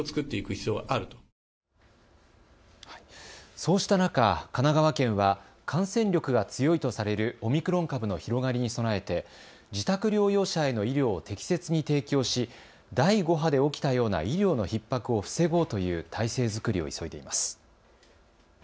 そうした中、神奈川県は感染力が強いとされるオミクロン株の広がりに備えて自宅療養者への医療を適切に提供し、第５波で起きたような医療のひっ迫を防ごうという体制作りを急いでいます。